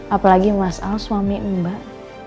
apalagi masalah suami emak